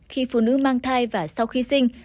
khi phụ nữ mang thai và sau khi sinh